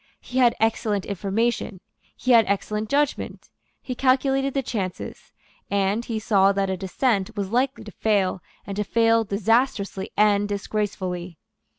He had excellent information; he had excellent judgment; he calculated the chances; and he saw that a descent was likely to fail, and to fail disastrously and disgracefully.